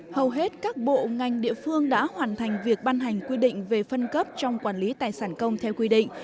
hầu hết các bộ ngành địa phương đã hoàn thành việc ban hành quy định về phân cấp trong quản lý tài sản công theo quy định